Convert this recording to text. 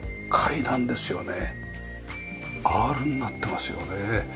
アールになってますよね。